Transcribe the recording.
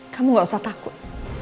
kamu gak usah takut